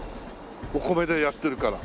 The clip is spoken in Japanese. お米でやってるから。